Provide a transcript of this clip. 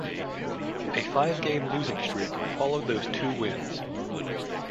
A five-game losing streak followed those two wins.